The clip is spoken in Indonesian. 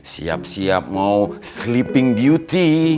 siap siap mau sleeping beauty